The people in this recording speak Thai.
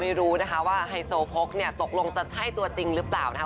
ไม่รู้นะคะว่าไฮโซโพกเนี่ยตกลงจะใช่ตัวจริงหรือเปล่านะคะ